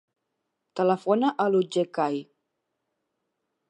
Telefona a l'Otger Cai.